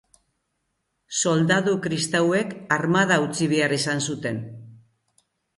Soldadu kristauek armada utzi behar izan zuten.